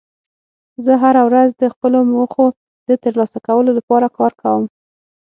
زه هره ورځ د خپلو موخو د ترلاسه کولو لپاره کار کوم